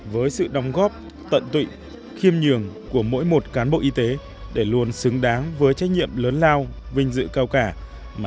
với sự đóng góp tận tụy khiêm nhường của mỗi một cán bộ y tế để luôn xứng đáng với trách nhiệm lớn lao vinh dự cao cả